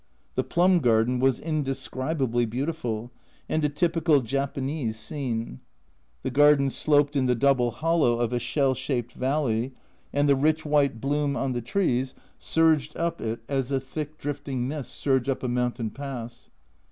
The plum garden was indescribably beautiful, and a typical "Japanese" scene. The garden sloped in the double hollow of a shell shaped valley, and the rich white bloom on the trees surged n6 A Journal from Japan up it as the thick drifting mists surge up a mountain pass.